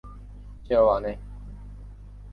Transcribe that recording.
西尔瓦内。